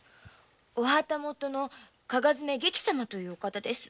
お旗本の加賀爪様というお方です。